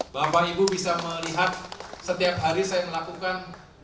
bapak ibu bisa melihat setiap hari saya melakukan